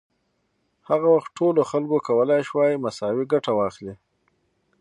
هغه وخت ټولو خلکو کولای شوای مساوي ګټه واخلي.